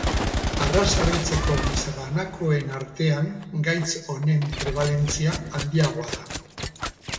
Arraza beltzeko gizabanakoen artean gaitz honen prebalentzia handiagoa da.